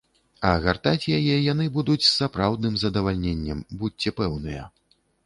А гартаць яе яны будуць з сапраўдным задавальненнем, будзьце пэўныя!